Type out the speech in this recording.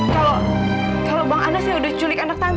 kalau bang anas ini sudah menculik anak tante